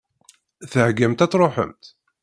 Theggamt ad tṛuḥemt?